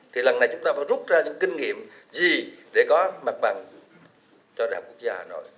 thì lần này chúng ta phải rút ra những kinh nghiệm gì để có mặt bằng cho đại học quốc gia hà nội